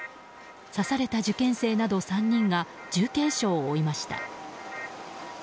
刺された受験生など３人が重軽傷を負いました。